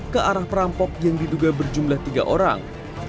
ke arah perampok yang diduga berjumlah tiga orang